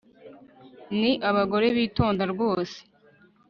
ni abagore bitonda rwose